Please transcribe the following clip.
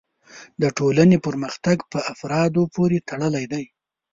د ټولنې پرمختګ په افرادو پورې تړلی دی.